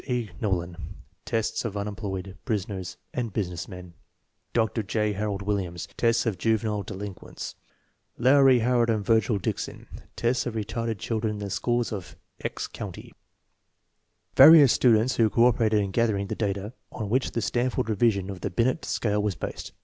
E. Knollin (tests of unemployed, prisoners, and businessmen); Dr. J. Harold Williams (tests of juvenile delin quents); Lowery Howard and "Virgil Dickson (tests of re tarded children in the schools of "X County); PREFACE xui Various students who coSperated in gathering the data on which the Stanford Revision of the Binet . scale was based.